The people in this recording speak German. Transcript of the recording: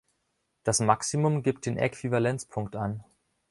Das Maximum gibt den Äquivalenzpunkt an.